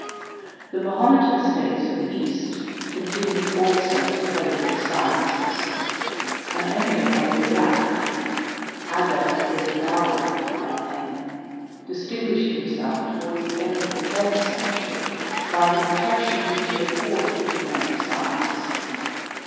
The Mahometan states of the east continued ali<^ to favour the sciences. Au emir of Irak, Adad £ii« CH£]tl8TK.T or TBI. AKASUNS. 115 Daula by name, distinguished himself towards the end of the tenth century by the protection which he afforded to men of science.